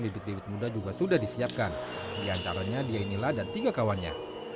bibit bibit muda juga sudah disiapkan diantaranya dia inilah dan tiga kawannya